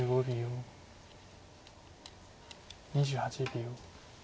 ２８秒。